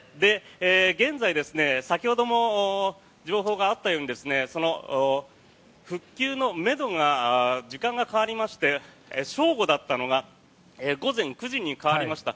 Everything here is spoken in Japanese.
現在、先ほども情報があったように復旧のめどが時間が変わりまして正午だったのが午前９時に変わりました。